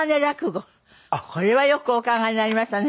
これはよくお考えになりましたね。